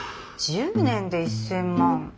１０年で１，０００万。